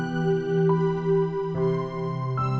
pindah dalem ya